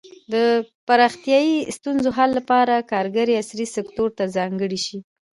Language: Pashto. د پراختیايي ستونزو حل لپاره کارګر عصري سکتور ته ځانګړي شي.